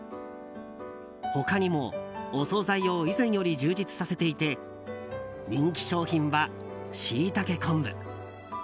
他にも、お総菜を以前より充実させていて人気商品はしいたけ昆布。